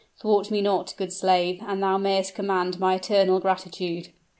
Thwart me not, good slave, and thou mayest command my eternal gratitude."